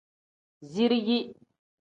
Zirigi.